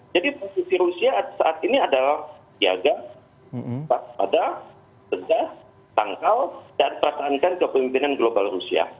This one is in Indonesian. jadi posisi rusia saat ini adalah tiaga pas pada tegas tangkal dan perasaankan ke pemimpinan global rusia